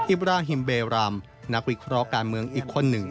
บราฮิมเบรำนักวิเคราะห์การเมืองอีกคนหนึ่ง